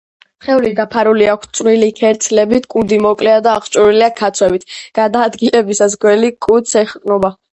სხეული დაფარული აქვთ წვრილი ქერცლებით, კუდი მოკლეა და აღჭურვილია ქაცვებით, გადაადგილებისას გველი კუდს ეყრდნობა.